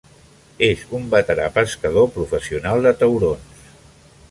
És un veterà pescador professional de taurons.